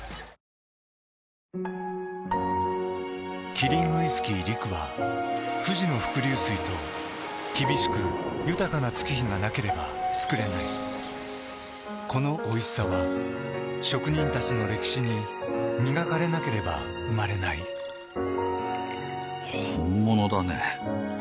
キリンウイスキー「陸」は富士の伏流水と厳しく豊かな月日がなければつくれないこのおいしさは職人たちの歴史に磨かれなければ生まれない本物だね。